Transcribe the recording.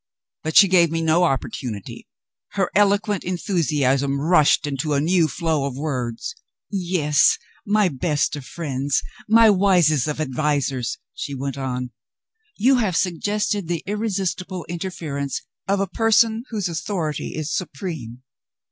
But she gave me no opportunity; her eloquent enthusiasm rushed into a new flow of words. "Yes, my best of friends, my wisest of advisers," she went on; "you have suggested the irresistible interference of a person whose authority is supreme.